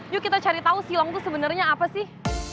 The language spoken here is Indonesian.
yuk kita cari tahu silang itu sebenarnya apa sih